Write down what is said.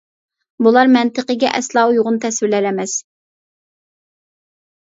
بۇلار مەنتىقىگە ئەسلا ئۇيغۇن تەسۋىرلەر ئەمەس.